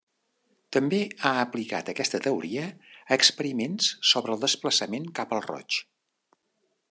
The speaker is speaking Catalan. També ha aplicat aquesta teoria a experiments sobre el desplaçament cap al roig.